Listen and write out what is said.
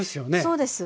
そうです。